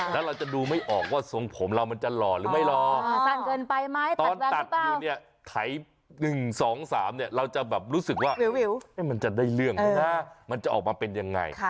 แล้วเราจะดูไม่ออกว่าทรงผมเรามันจะหล่อหรือไม่หล่อสั้นเกินไปไหมตอนตัดอยู่เนี่ยไถ๑๒๓เนี่ยเราจะแบบรู้สึกว่ามันจะได้เรื่องไหมนะมันจะออกมาเป็นยังไง